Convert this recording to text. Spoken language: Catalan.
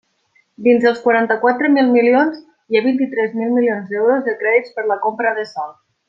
Dins els quaranta-quatre mil milions hi ha vint-i-tres mil milions d'euros de crèdits per la compra de sòl.